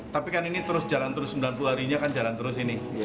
tapi kan ini terus jalan terus sembilan puluh harinya kan jalan terus ini